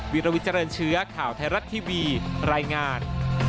วิลวิเจริญเชื้อข่าวไทยรัฐทีวีรายงาน